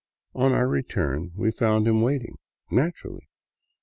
On our return we found him waiting — naturally.